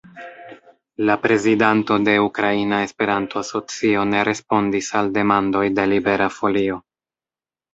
La prezidanto de Ukraina Esperanto-Asocio ne respondis al demandoj de Libera Folio.